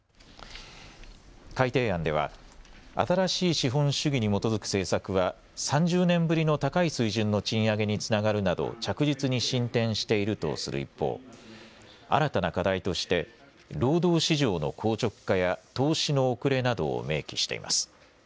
改訂案では新しい資本主義に基づく政策は３０年ぶりの高い水準の賃上げにつながるなど着実に進展しているとする一方、新たな課題として労働市場の硬直化や投資の遅れなどを明記しています。